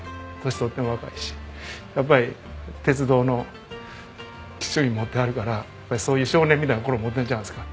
とっても若いしやっぱり鉄道の趣味持ってはるからやっぱりそういう少年みたいな心持ってるんじゃないですか。